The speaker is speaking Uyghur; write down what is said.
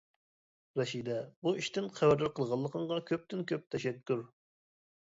رەشىدە بۇ ئىشتىن خەۋەردار قىلغانلىقىڭغا كۆپتىن-كۆپ تەشەككۈر.